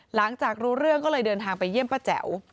หลังจากรู้เรื่องก็เลยเดินทางไปเยี่ยมป้าแจ๋ว